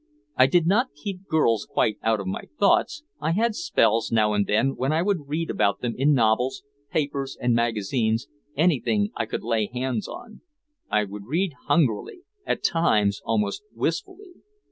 I did not keep girls quite out of my thoughts, I had spells now and then when I would read about them in novels, papers and magazines, anything I could lay hands on. I would read hungrily, at times almost wistfully.